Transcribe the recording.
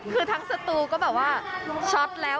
คือทั้งสตูก็แบบว่าช็อตแล้ว